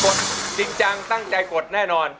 ดจริงจังตั้งใจกดแน่นอน